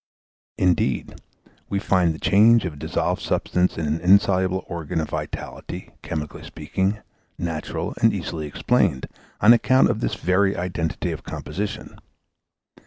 Indeed we find the change of a dissolved substance into an insoluble organ of vitality, chemically speaking, natural and easily explained, on account of this very identity of composition.